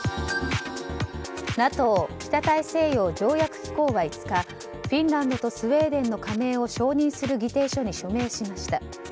ＮＡＴＯ・北大西洋条約機構は５日フィンランドとスウェーデンの加盟を承認する議定書に署名しました。